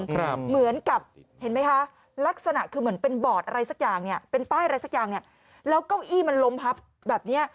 ครับเหมือนกับเห็นไหมคะลักษณะคือเหมือนเป็นบอร์ดอะไรสักอย่างเนี่ย